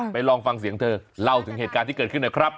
ลองฟังเสียงเธอเล่าถึงเหตุการณ์ที่เกิดขึ้นหน่อยครับ